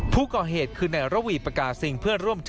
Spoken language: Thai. ผู้ก่อเหตุคือนายระวีปากาซิงเพื่อนร่วมชาติ